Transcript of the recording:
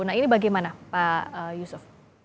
nah ini bagaimana pak yusuf